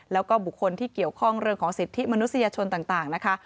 แล้วก็บุคคลที่เกี่ยวข้องเรื่องของสิทธิมนุษยชนต่างนะคะ